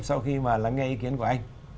sau khi mà lắng nghe ý kiến của anh